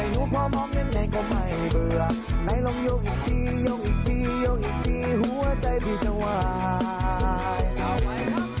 ยกอีกทียกอีกทียกอีกทีหัวใจดีจังหวาย